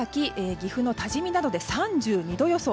岐阜の多治見などで３２度予想